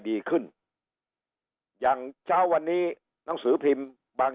ดีขึ้นอย่างเช้าวันนี้หนังสือพิมพ์บาง